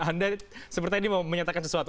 anda sepertinya ini menyatakan sesuatu